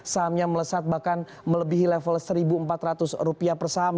sahamnya melesat bahkan melebihi level rp satu empat ratus per saham